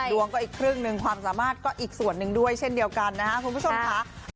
ดวงก็อีกครึ่งหนึ่งความสามารถก็อีกส่วนหนึ่งด้วยเช่นเดียวกันนะครับคุณผู้ชมค่ะ